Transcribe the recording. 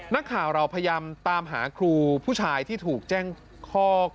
นักข่าวเราพยายามตามหาครูผู้ชายที่ถูกแจ้งข้อ